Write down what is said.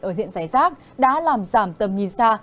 ở diện giải rác đã làm giảm tầm nhìn xa